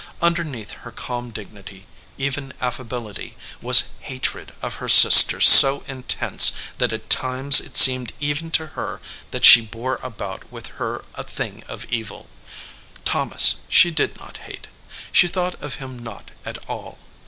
Underneath her calm dignity, even affability, was hatred of her sister so intense that at times it seemed even to her that she bore about with her a thing of evil. Thomas she did not hate. She thought of him not at all.